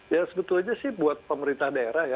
ya sebetulnya sih buat pemerintah daerah ya